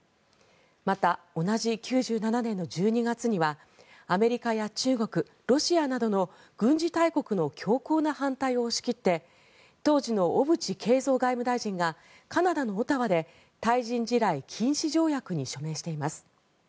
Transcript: また、同じ９７年の１２月にはアメリカや中国、ロシアなどの軍事大国の強硬な反対を押し切って当時の小渕恵三外務大臣がカナダのオタワで対人地雷禁止条約に署名しています。